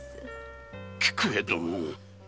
菊江殿。